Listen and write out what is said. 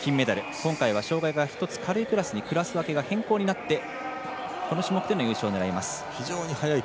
今回は障害が１つ軽いクラスにクラス分けが変更になってこの種目での金を目指します。